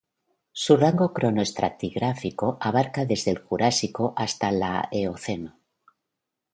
Su rango cronoestratigráfico abarca desde el Jurásico hasta la Eoceno.